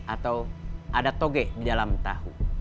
atau ada toge di dalam tahu